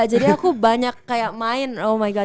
jadi aku banyak kayak main oh my god